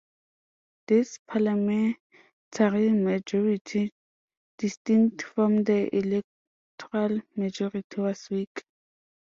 This parliamentary majority, distinct from the electoral majority, was weak.